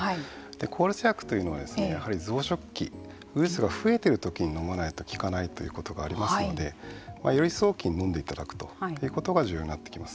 抗ウイルス薬というのはやはり増殖期ウイルスが増えている時に飲まないと効かないということがありますのでより早期に飲んでいただくということが重要になってきます。